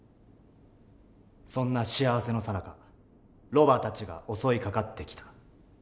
そんな幸せのさなかロバたちが襲いかかってきた。